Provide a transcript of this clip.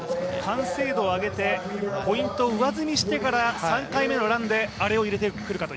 完成度を上げてポイントを上積みしてから３回目、あれを入れてくると。